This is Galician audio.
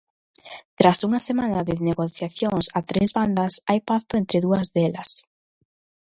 Tras unha semana de negociacións a tres bandas hai pacto entre dúas delas.